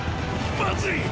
まずいっ！